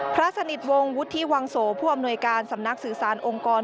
พระสนิทวงศ์วุฒิวังโสผู้อำนวยการสำนักสื่อสารองค์กร